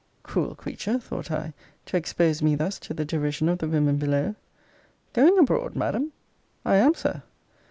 Cruel creature, thought I, to expose me thus to the derision of the women below! Going abroad, Madam! I am, Sir.